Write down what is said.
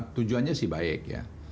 tujuannya sih baik ya